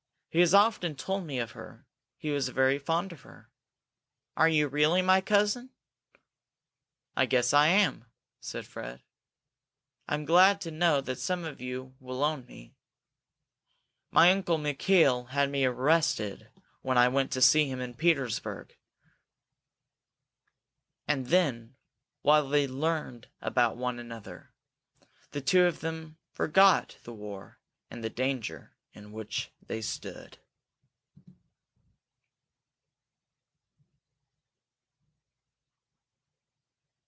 He has often told me of her. He was very fond of her! Are you really my cousin?" "I guess I am!" said Fred. "I'm glad to know that some of you will own me! My uncle Mikail had me arrested when I went to see him in Petersburg!" And then while they learned about one another, the two of them forgot the war and the danger in which they stood.